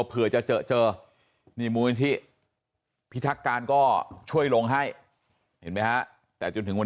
เผื่อจะเจอนี่มูลที่พิทักษ์การก็ช่วยลงให้แต่จนถึงวัน